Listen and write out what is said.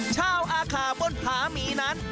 ชาวอาคาบนผาหมีนั้น